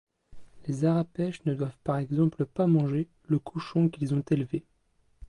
Les arapesh ne doivent par exemple pas manger le cochon qu'ils ont élevé.